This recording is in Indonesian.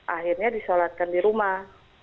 akhirnya disolatkan di rumah